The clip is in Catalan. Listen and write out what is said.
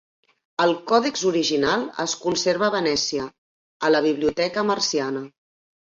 El còdex original es conserva a Venècia, a la Biblioteca Marciana.